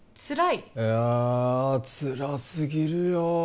いやあつらすぎるよ